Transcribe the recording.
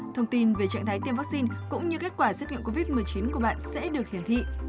thông tin về trạng thái tiêm vaccine cũng như kết quả xét nghiệm covid một mươi chín của bạn sẽ được hiển thị